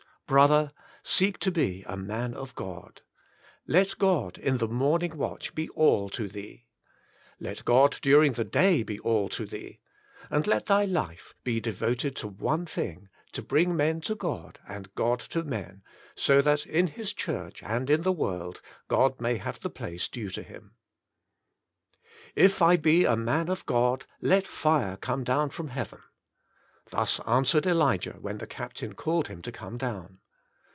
Brother! seek to be a man of God! Let God in the morning watch be all to thee. Let God during the day be all to thee. And let thy life be devoted to one thing, to bring men to God, and God to men, so that in His Church, and in the world, God may have the place due to Him. " If I be a man of God, let fire come down from heaven." Thus answered Elijah when the captain called him to come down.